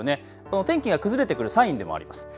お天気が崩れてくるサインでもあります。